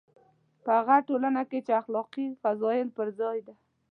په هغه ټولنه کې چې اخلاقي فضایلو پر ځای ده.